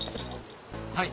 はい。